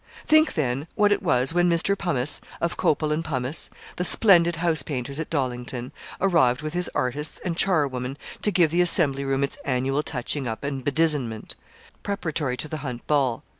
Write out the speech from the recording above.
Think, then, what it was, when Mr. Pummice, of Copal and Pummice, the splendid house painters at Dollington, arrived with his artists and charwomen to give the Assembly Room its annual touching up and bedizenment, preparatory to the Hunt Ball.